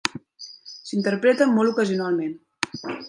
S'interpreta molt ocasionalment.